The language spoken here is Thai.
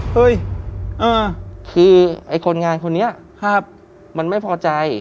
เฮ้ยคือไอ้คนงานคนนี้มันไม่พอใจ